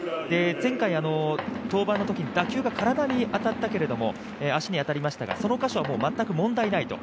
前回、登板のときに打球が体に当たりましたけど、足に当たりましたがその箇所は全く問題ないと。